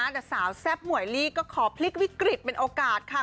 เพื่อนหน้าสาวแซบหมวยลีก็ขอพลิกวิกฤษเป็นโอกาสค่ะ